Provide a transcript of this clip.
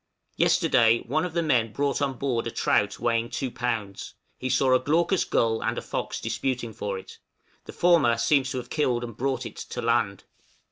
Yesterday one of the men brought on board a trout weighing 2 lbs.; he saw a glaucous gull and a fox disputing for it; the former seems to have killed and brought it to land.